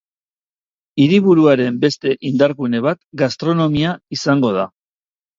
Hiriburuaren beste indargune bat gastronomia izango da.